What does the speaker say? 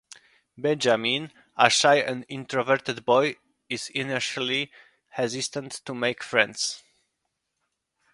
Benjamin, a shy and introverted boy, is initially hesitant to make friends.